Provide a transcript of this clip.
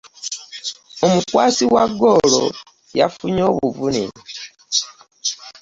Omukwasi wa ggola yafunye obuvune.